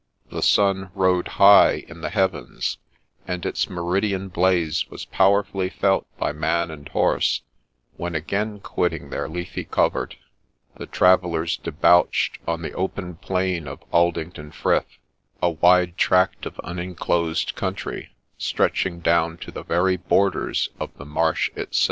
The sun rode high in the heavens, and its meridian blaze was powerfully felt by man and horse, when, again quitting their leafy covert, the travellers debouched on the open plain of Aldington Frith, a wide tract of unenclosed country stretching down to the very borders of ' the Marsh ' itself.